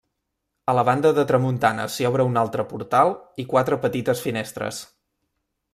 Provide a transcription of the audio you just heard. A la banda de tramuntana s'hi obre un altre portal i quatre petites finestres.